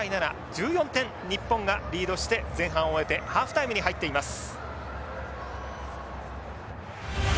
１４点日本がリードして前半を終えてハーフタイムに入っています。